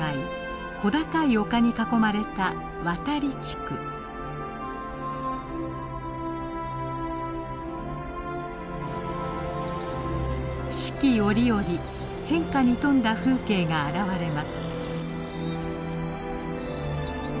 小高い丘に囲まれた四季折々変化に富んだ風景が現れます。